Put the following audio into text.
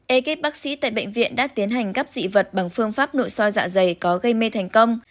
ekip bác sĩ tại bệnh viện đã tiến hành gấp dị vật bằng phương pháp nội soi dạ dày có gây mê thành công